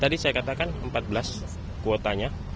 tadi saya katakan empat belas kuotanya